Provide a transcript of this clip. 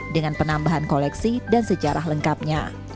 dengan penambahan koleksi dan sejarah lengkapnya